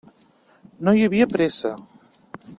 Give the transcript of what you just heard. No hi havia pressa.